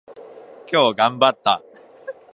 今日頑張った。